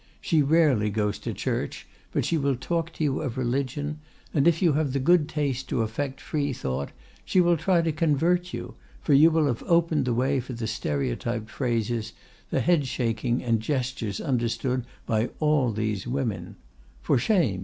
She rarely goes to church, but she will talk to you of religion; and if you have the good taste to affect Free thought, she will try to convert you, for you will have opened the way for the stereotyped phrases, the head shaking and gestures understood by all these women: 'For shame!